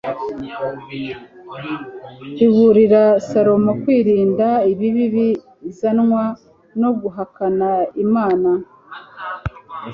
iburira salomo kwirinda ibibi bizanwa no guhakana imana